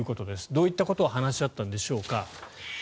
どういったことを話し合ったんでしょうか。